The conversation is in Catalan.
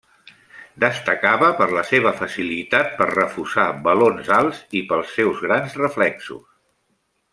Destacava per la seva facilitat per refusar balons alts i pels seus grans reflexos.